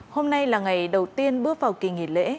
hôm nay là ngày đầu tiên bước vào kỳ nghỉ lễ